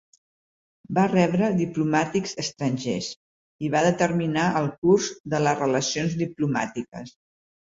Va rebre diplomàtics estrangers i va determinar el curs de les relacions diplomàtiques.